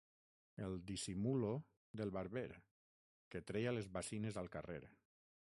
El «dissimulo» del barber, que treia les bacines al carrer.